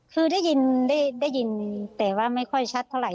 คือได้ยินได้ยินแต่ว่าไม่ค่อยชัดเท่าไห